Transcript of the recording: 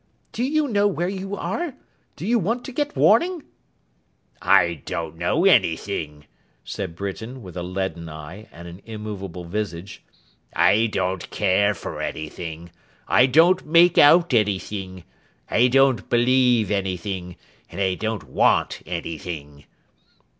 'Do you know where you are? Do you want to get warning?' 'I don't know anything,' said Britain, with a leaden eye and an immovable visage. 'I don't care for anything. I don't make out anything. I don't believe anything. And I don't want anything.